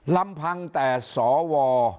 ลำพังแต่สว